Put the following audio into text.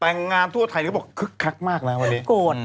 แต่งงานทั่วไทยก็บอกขัดมากนะวันนี้